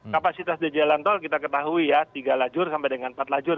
kapasitas di jalan tol kita ketahui ya tiga lajur sampai dengan empat lajur